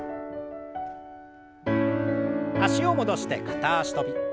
脚を戻して片脚跳び。